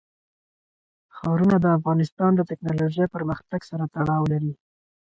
ښارونه د افغانستان د تکنالوژۍ پرمختګ سره تړاو لري.